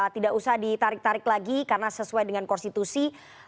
tidak usah ditarik tarik lagi karena sesuai dengan konstitusi